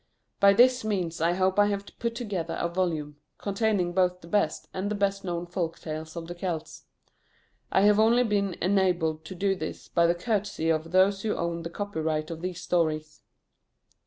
By this means I hope I have put together a volume, containing both the best, and the best known folk tales of the Celts. I have only been enabled to do this by the courtesy of those who owned the copyright of these stories.